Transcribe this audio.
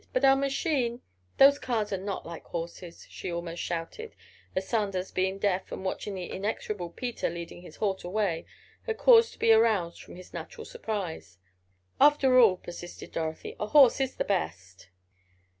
But our machine—those cars are not like horses," she almost shouted, as Sanders being deaf, and watching the inexorable Peter leading his horse away, had cause to be aroused from his natural surprise. "After all," persisted Dorothy, "a horse is the best."